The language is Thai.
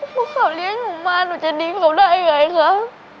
พวกเขาเรียกหนูมาหนูจะทิ้งเขาได้เลยค่ะ